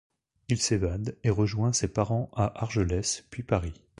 Il s'évade et rejoint ses parents à Argelès puis Paris.